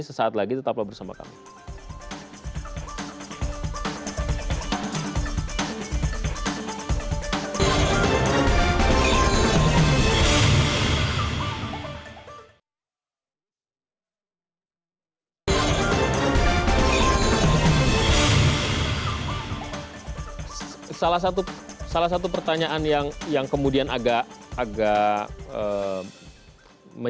sesaat lagi tetap berbicara bersama kami